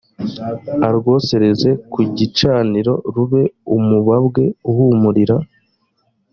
arwosereze ku gicaniro rube umubabwe uhumurira